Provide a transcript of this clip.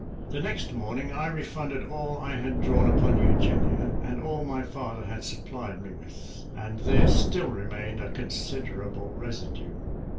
The next morning I refunded all I had drawn upon Eugenia, and all my father had supplied me with, and there still remained a considerable residue.